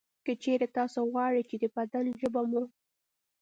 که چېرې تاسې غواړئ چې د بدن ژبه مو